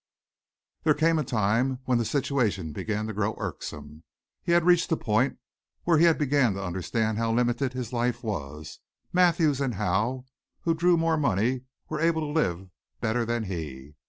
There came a time when the situation began to grow irksome. He had reached the point where he began to understand how limited his life was. Mathews and Howe, who drew more money, were able to live better than he.